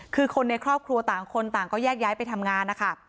คือคนในครอบครัวต่างคนต่างก็แยกย้ายไปทำงานนะคะ